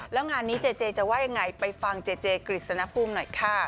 แล้วงานนี้เจเจจะว่ายังไงไปฟังเจเจกฤษณภูมิหน่อยค่ะ